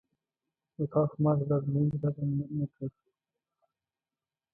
نو تا خو ما ته د ازموینې غږ هم نه کړ.